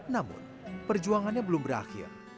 namun perjuangannya belum berakhir